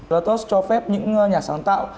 lotus cho phép những nhà sáng tạo